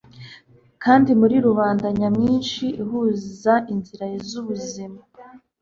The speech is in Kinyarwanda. Kandi muri rubanda nyamwinshi ihuza inzira zubuzima